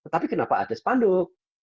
tapi kenapa ada sepanduk